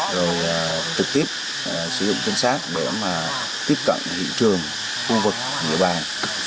rồi trực tiếp sử dụng chân sát để tiếp cận hiện trường khu vực địa bàn